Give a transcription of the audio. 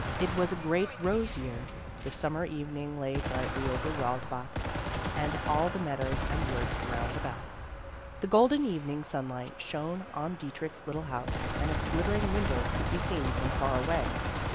It was a great rose year. The Summer evening lay brightly over Wildbach and all the meadows and woods roimd about. The golden evening sunlight shone on Dietrich's little house, and its glittering windows could be seen from far away.